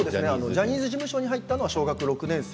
ジャニーズ事務所に入ったのは小学６年生。